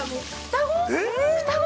◆双子。